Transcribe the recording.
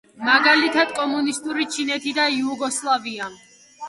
მაგალითად კომუნისტური ჩინეთი და იუგოსლავია.